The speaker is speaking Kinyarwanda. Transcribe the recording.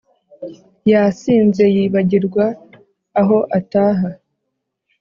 Yasinze yibagirwa aho ataha